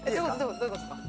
どういうことですか？